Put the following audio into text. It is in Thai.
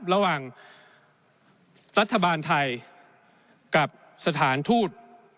ระหว่างรัฐบาลไทยกับสถานทูต